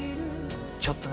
ちょっとね